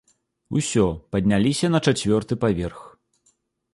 Усё, падняліся на чацвёрты паверх.